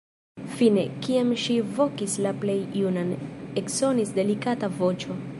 Fine, kiam ŝi vokis la plej junan, eksonis delikata voĉo.